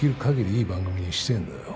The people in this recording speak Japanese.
いい番組にしてえんだよ。